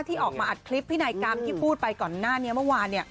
ที่ออกมาอัดคลิปพินัยกรรมที่พูดไปก่อนหน้านี้เมื่อวาน